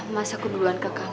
mas aku duluan ke kamar